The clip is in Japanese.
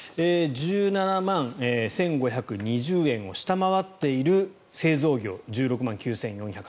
１７万１５２０円を下回っている製造業１６万９４８７円